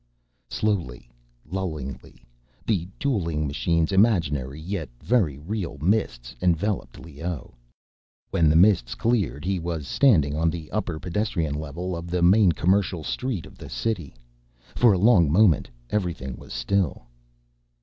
Slowly, lullingly, the dueling machine's imaginary yet very real mists enveloped Leoh. When the mists cleared, he was standing on the upper pedestrian level of the main commercial street of the city. For a long moment, everything was still.